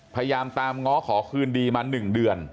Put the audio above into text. พยายามตามง้อขอคืนดีมา๑เดือน